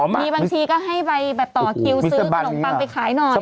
มีบางทีก็ให้ไปแบบต่อคิวซื้อขนมปังไปขายหน่อย